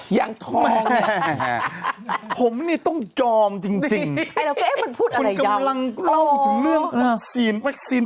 อย่างที่บอกว่าทองเนี่ย